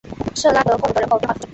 圣拉德贡德人口变化图示